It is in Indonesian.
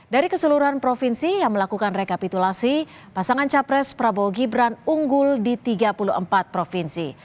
dari keseluruhan provinsi yang melakukan rekapitulasi pasangan capres prabowo gibran unggul di tiga puluh empat provinsi